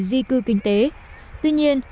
di cư kinh tế tuy nhiên